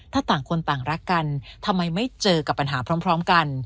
ถ้าต่างคนต่างรักกันทำไมไม่เจอกับปัญหาพร้อมกัน